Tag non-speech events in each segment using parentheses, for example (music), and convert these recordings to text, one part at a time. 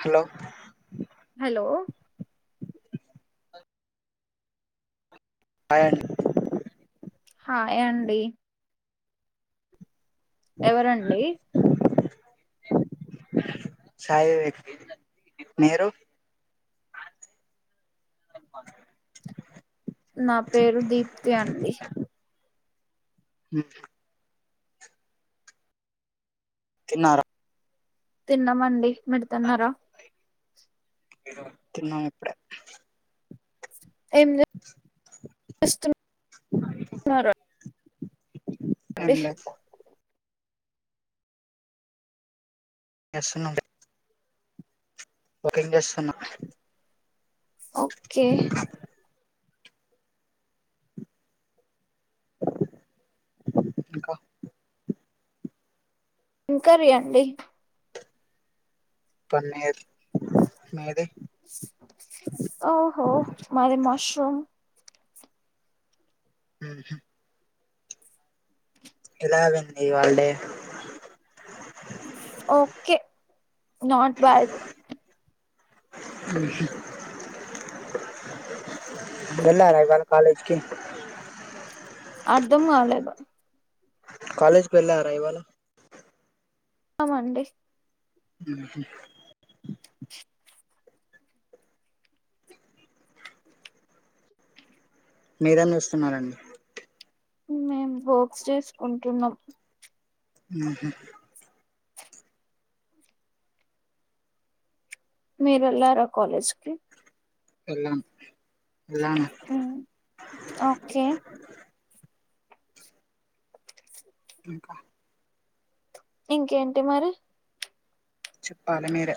Hello hello hi అండి hi అండి ఎవరండి సాయివివేక్ మీరు నా పేరు దీప్తి అండి మ్ హు తిన్నారా తిన్నామండి మీరు తిన్నారా తిన్నావా తిన్నాం ఇప్పుడే హ ఏం చేస్తునారు ఎంలేద్ యేస్తునం కుకింగ్ చేస్తునా ఓకే ఇంకా ఏం కర్రీ అండి పన్నీర్ మీది ఓహో మరి మష్రూమ్ ఉహు ఇలాగండి వాళడే ఓకే నాట్ బట్ వెళ్ళారా ఇవాళ కాలేజ్కి అర్ధం కాలేదు కాలేజ్ కు వెళ్ళారా ఇవాళ అవునండి ఉహు మీరేం ఎమ్ చేస్తున్నారండి మేం వర్క్స్ చేసుకుంటున్నాం ఉహు మీరు వెళ్ళారా కాలేజ్ కి ఎలా హు ఓకే ఇంకా ఇంకేంటి మరి చెప్పాలి మీరే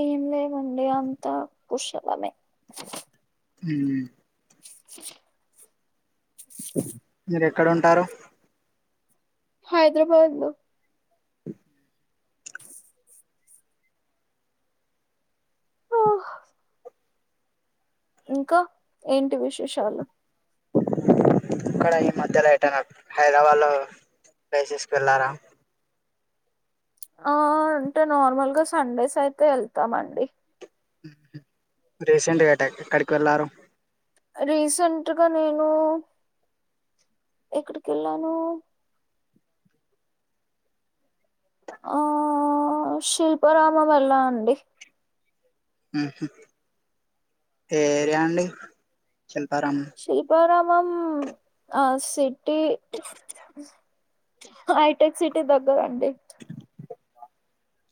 ఏం లేవండి అంతా కుషాలమే హు స సుఖ్ మీరు ఎక్కడ ఉంటారు హైదరాబాద్ లో ఆ ఆఓ ఇంకా ఏంటి విశేషాలు ఇక్కడ ఈ మధ్యలో ఎటైనా హైదరాబాద్ లో ప్లేసెస్ కు వెళ్ళారా ఆ అంటే నార్మల్గ సండే అయితే వెళ్తామండి రీసెంట్గా ఎటు ఎక్కడికెళ్లారు రీసెంట్గా నేను ఎక్కడికెళ్ళాను ఆ శిల్పారామం వెళ్ళాను అండి ఉహు ఏ ఏరియా అండి శిల్ శిల్పారామ్ మం అ సిటీ హైటెక్ సిటీ దగ్గర అండి డి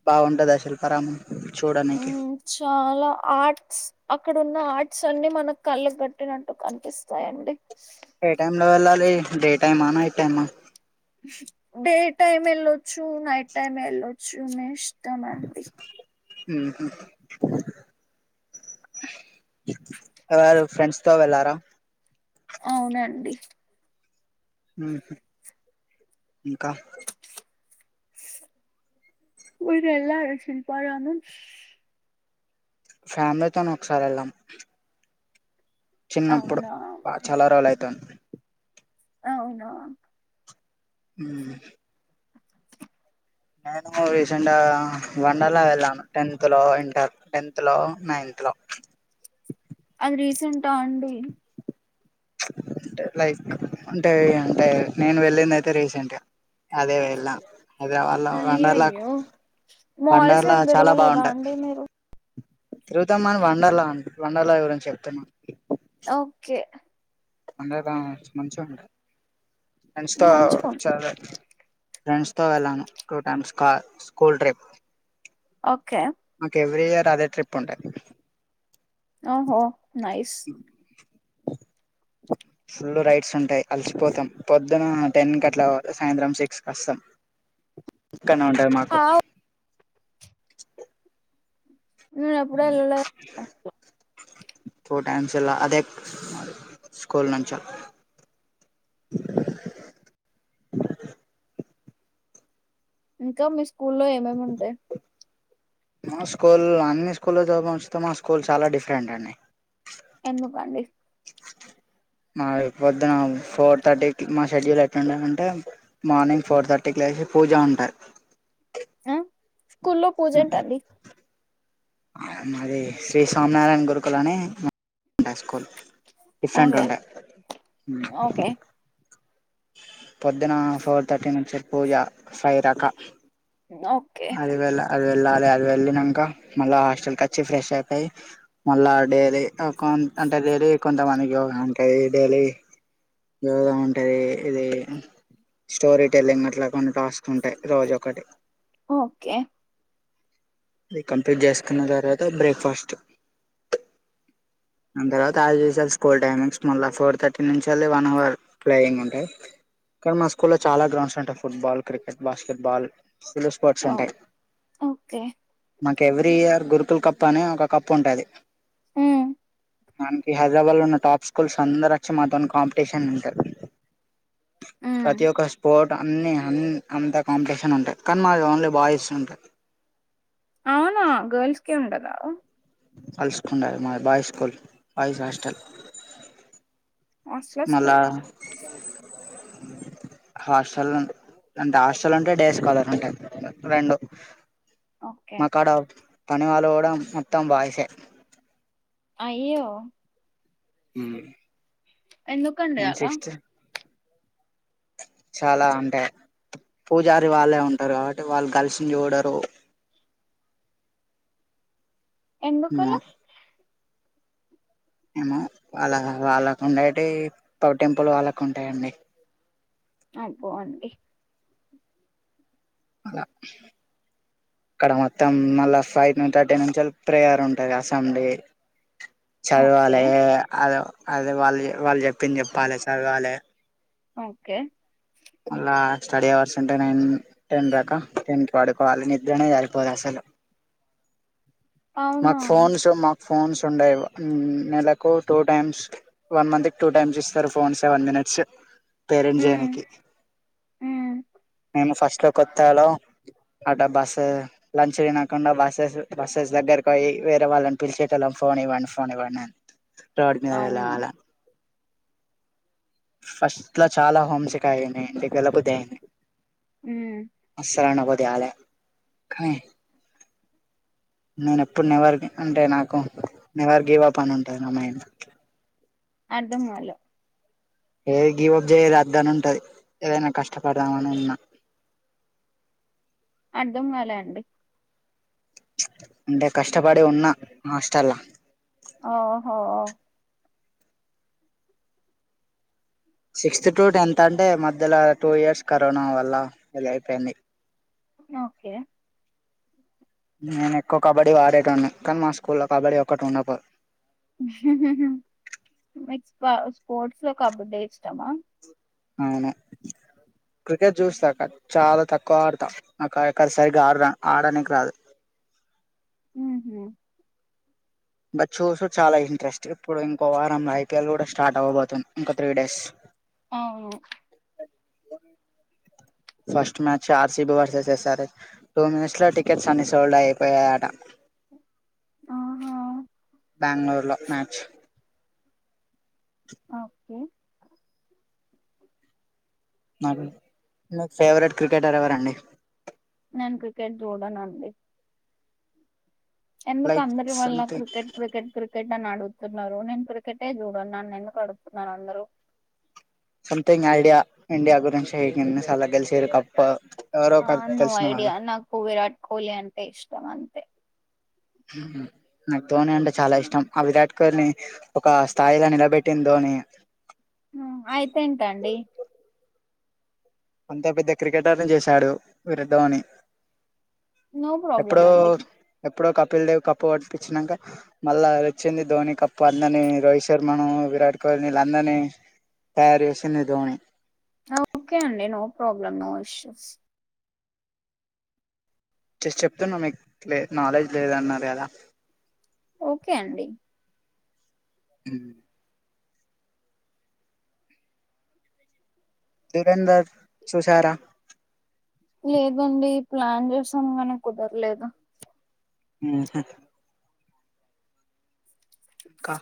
బాగుంటదా శిల్పారామం చూడనీకి ఉమ్, చాలా ఆర్ట్స్ అక్కడున్న ఆర్ట్స్ అన్ని మన కళ్ళకు కట్టినట్టు కనిపిస్తాయండి. ఏ టైం లో వెళ్ళాలి డే టైమా నైట్ టైమా డే టైమెళ్ళొచ్చు నైట్ టైమ్ ఎళ్ళొచ్చు మీ ఇష్ టమండి హ్మ్ హు ఎవరు ఫ్రెండ్స్ తో వెళ్ళారా ఔనండి మ్మ్ హు ఇంక మీరెల్లారా శిల్పారామం ఫ్యామిలీతోనె ఒకసారి వెళ్ళాం చిన్నప్పుడు అవునా బా చాలా రోలై తుంది ఔనా హ్మ్ నేను రీసెంట్గా వండర్లా వెళ్ళాను టెన్త్ లో ఇంటర్ టెన్త్ లో నైన్త్ లో అది రీసెంటా అండి అంటే లైక్ అంటే అంటే నేను వెళ్ళిందయితే రీసెంటె అదే వెళ్ళామ్ అయ్యయ్యో వండర్లా మాల్సేం తిరగలేదా అండి మీరు తిరుగుతమ్గాని వండర్లా అం వండర్లా గురించి చెప్తున్నా ఓకే అండేదా మంచివండి ఫ్రెండ్స్ తో మంచిగుంది చల్ ఫ్రెండ్స్ తో వెళ్ళాను టూ టైమ్స్ కా స్కూల్ ట్రిప్ ఓకే మాకెవ్రీ ఇయర్ అదే ట్రిప్ ఉంటది ఓహో నైస్ ఫుల్ రైడ్స్ ఉంటాయ్ అలసిపోతాం పొద్దున టెన్ కట్లా సాయంత్రం సిక్స్ కొస్తాం క్కనే ఉంటది మాకు నేను ఎప్పుడు ఎల్లలే టూ టైమ్స్ ఎల్లా అదే స్కూల్ నుంచి ఇంకా మీ స్ స్కూల్లో ఏమేమి ఉంటయ్ మా స్కూల్లో అన్ని స్కూల్లో చదివించితే మా స్కూల్ చాలా డిఫరెంట్ అండీ ఎందుకండీ మా పొద్దున ఫోర్ థర్టీకి మా షెడ్యూల్ ఎట్లుంటది అంటే మార్నింగ్ ఫోర్ థర్టీకి లేసి పూజ ఉంటది అ స్కూల్లో పూజేంటండీ మాది శ్రీ స్వామినారాయణ గురుకుల్ అని హై స్కూల్ డిఫరెంట్ ఓకే ఉండే ఓకే పొద్దునా ఫోర్ థర్టీ నుంచి పూజ ఫైదాక ఓకే అది వెళ్ళ అది వెళ్ళాలి అది వెళ్ళినంకా మళ్ళా హాస్టల్ కచ్చి ఫ్రెష్ ఐపై మళ్ళా డేలీ కొన్ అంటే వెరీ కొంతమంది యోగా ఉంటది డేలీ యోగా ఉంటది ఇదీ స్టోరీ టెల్లింగ్ అట్లా కొన్ని టాస్క్లు ఉంటాయ్ రోజు ఒకటి ఓకే అది కంప్లీట్ చేసుకున్న తర్వాత బ్రేక్ఫాస్ట్ దాన్ తర్వాత ఆది చేసే స్కూల్ టైమింగ్స్ మళ్ళా ఫోర్ థర్టీ నుంచిళ్ వన్ అవర్ ప్లేయింగ్ ఉంటాయి కానీ మా స్కూ లో చాలా గ్రౌండ్స్ ఉంటాయి football cricket basketball full sports ఓహ్! ఉంటాయ్ ఓకే మాకు ఎవ్రీ ఇయర్ గురుకుల కప్ అనీ ఒక కప్ ఉంటది ఉమ్ హైదరాబాద్ లో ఉన్న టాప్ స్కూల్స్ అందరు వచ్చి మాతోని కాంపిటీషన్ ఉంటరు ఉమ్ ప్రతీ ఒక్క స్పోట్ అన్ అంతా కాంపిటీషన్ ఉంటది కానీ మాకు ఓన్లీ బాయ్స్ ఉంట అవునా గర్ల్స్ కి ఉండదా గర్ల్స్ కి ఉండదు మాది బాయ్స్ స్కూల్ బాయ్స్ హాస్టల్ హాస్టలా మళ్ళా స్కూలా హాస్టల్ ఉంట్ హాస్టల్ ఉంటే డేస్ కాలర్ ఉంటయ్ రెండూ ఓకే మాకాడ పని వాళ్ళు గూడా మొత్తం బాయ్సే అయ్యో ఉ ఎందుకండీ అలా ప్ల్చ్ చాలా అంటాయ్ పూజారి వాళ్ళే ఉంటరు కాబట్టి వాళ్ళు గల్స్ ని జూడరూ ఎందుకలా ఏమో వాళ్ళ వాళ్ళకు ఉండేటీ పవర్ టెంపుల్ వాళ్ళకు ఉంటాయండీ అయ్ పోవండి అలా అక్కడ మొత్తం మళ్ళా ఫైవ్ థర్టీ నుంచెల్లి ప్రేయర్ ఉంటది అసండే ఓకే. చదవాలే అదో అదే వాళ్ళు వాళ్ళు చెప్పింది చెప్పాలి చదవాలే ఓకే అలా స్టడీ అవర్స్ అంటే నైన్ టెన్ రా టెన్ కి పడుకోవాల నిద్రనే సరిపోదు అసలు అవునా! మాకు ఫోన్ సు మాకు ఫోన్స్ ఉండయి మ్మ్ నెలకు టూ టైమ్స్ వన్ మంత్ కి టూ టైమ్స్ ఇస్తారు ఫోన్ సెవెన్ మినిట్స్. పేరెంట్ జేయనీకి ఉమ్ మేము ఫస్ట్ లో కొత్తలో అట్టా బస్ లంచ్ తినకుండా బస్సెస్ బస్సెస్ దగ్గరకి పోయి వేరే వాళ్ళని పిలిచేటోళ్లం ఫోన్ ఇవ్వండి, ఫోన్ ఇవ్వండి అని రోడ్ మీద అవును. వెళాల ఫస్ట్ లో చాలా హోంసిక్ అయింది ఇంటికి వెళ్ళబుద్ధి అయింది హ్మ్. అసలు అన్నం బోద్ యాలే కానీ నేను ఎప్పుడు నెవర్ అంటే నాకు నెవర్ గివ్ అప్ అని ఉంటుంది నా మైండ్ లో అర్ధం కాలే ఏది గీవప్ చేయద్దని ఉంటది ఏదైనా కష్టపడదామని ఉన్నా అర్ధం కాలే అండి అంటే కష్టపడి ఉన్న హాస్టల్లా ఆహో సిక్స్త్ టు టెన్త్ అంటే మధ్యలో టూ ఇయర్స్ కరోనా వల్ల ఇదయిపోయింది ఓకే నేను ఎక్కువ కబడ్డీ ఆడేటోన్ని కానీ మా స్కూల్లో కబడ్డీ ఒక్కటి ఉండపో స్పోర్ట్స్ లో కబడ్డీ ఇష్టమా అవును క్రికెట్ చూస్తా అక్క చాలా తక్కువ ఆడతా నాకు ఎక్కడ సరిగా ఆడ ఆడడానికి రాదు ఉహూ బట్ చూసుడు చాలా ఇంట్రెస్ట్ ఇప్పుడు ఇంకో వారం ఐపీఎల్ కూడా స్టార్ట్ అవ్వబోతుంది ఇంకో త్రీ డేస్ అవును first match RCB versus S R H two minutes లో టికెట్స్ అన్ని సోల్డ్ అయిపోయాట ఆహా బెంగళూరు లో మ్యాచ్ ఓకే నాకు నీకు ఫేవరెట్ క్రికెటర్ ఎవరండి నేను క్రికెట్ చూడనండి ఎందుకు లైక్ అందరి వాళ్ళ సంథింగ్ క్రికెట్ క్రికెట్ క్రికెట్ నన్ను అడుగుతున్నారు నేను క్రికెటే చూడన్ ఎందుకు అడుగుతున్నారు అందరు సమ్థింగ్ ఐడియా ఇండియా గురించీ ఎన్ని సార్లు గెలిసేరు కప్పు ఆ నో ఐడియా నాకు విరాట్ కోహ్లీ అంటే ఇష్ ఇష్టం అంతే నాకు ధోని అంటే చాలా ఇష్టం ఆ విరాట్ కోహ్లీ ఒక స్థాయిలో నిలబెట్టింది ధోని. హ్మ్ అయితే ఏంటండి అంత పెద్ద క్రికెటర్ని చేశాడు వీర ధోని నో ప్రాబ్లమ్ అండి ఇప్పుడో కపిల్ దేవ్ కప్పు కొట్టిపించ్నాకా మళ్ళా వచ్చింది ధోని కప్పు అందరినీ రోహిత్ శర్మను విరాట్ కోహ్లీళ్ళందరినీ తయారు చేసింది ధోని. ఓకే అండి no problem no issues just చెప్తున్నా మీక్ లే నాలెడ్జ్ లేదన్నారు కదా ఓకే అండి హ్మ్ దురేందర్ చుసారా లేదండి ప్లాన్ చేసాం కానీ కుదరలేదు హ్మ్ హు ఇంకా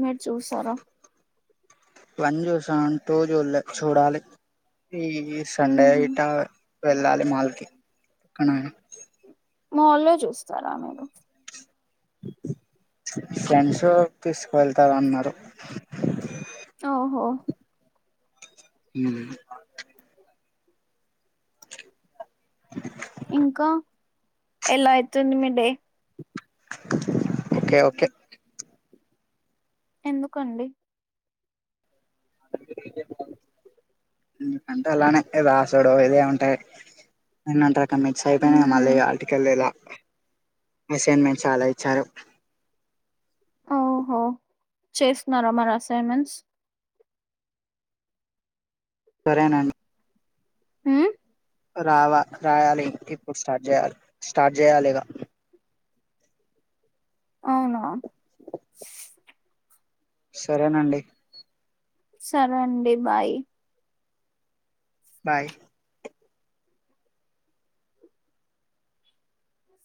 మీర్ చూసారా వన్ చూసా టూ చూలే చూడాలి ఈ ఉహు సండేయిటా వెళ్ళాలి మాల్కి కనీ మాల్లో చూస్తారా మీరు ఫ్రెండ్స్ తీసుకువెళ్తారు అన్నారు ఓహో మ్ (inaudible) ఇంకా ఎలా అవుతుంది మీ డే ఓకే ఓకే ఎందుకండి ఇకంతే అలానే ఏదో ఆసడ ఏదో ఉంటాయి నిన్నంతా ఇ (unintelligible) అయిపోయినా ఉహు మళ్ళీ ఆర్టికల్ ఇలా అసైన్మెంట్స్ చాలా ఇచ్చారు ఓహో చేస్తున్నారా మరి అసైన్మెంట్స్ సరేనండి హు రావా రాయాలి ఇప్పుడు స్టార్ట్ చేయాలి స్టార్ట్ చేయాలి ఇక అవునా సరేనండి సరే అండి బాయ్ బాయ్